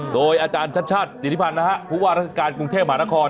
โดยอาจารย์ชัดจินิพันธ์นะฮะพูดว่ารัฐกาลกรุงเทพหมานคร